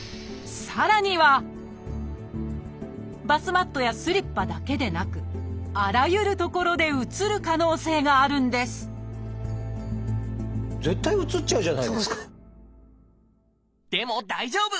さらにはバスマットやスリッパだけでなくあらゆる所でうつる可能性があるんですでも大丈夫！